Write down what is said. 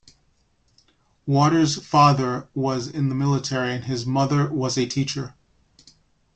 Water's father was in the military and his mother was a teacher.